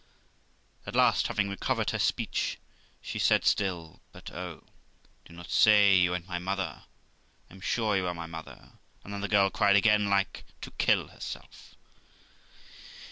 At last, having recovered her speech, she said still, 'But oh! do not say you a'n't my mother ! I'm sure you are my mother '; and then the girl cried again like to kill herself.